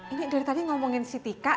ini dari tadi ngomongin si tika